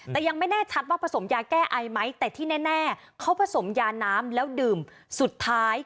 แต่ยังไม่แน่ชัดว่าผสมยาแก้ไอไหมแต่ที่แน่เขาผสมยาน้ำแล้วดื่มสุดท้าย